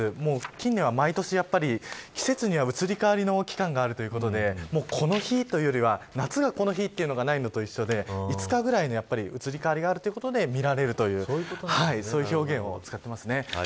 近年は、毎年季節には移り変わりの期間があるということでこの日というよりは夏がこの日というのがないのと一緒で５日ぐらいの移り変わりがあるということでそういう表現を使っています。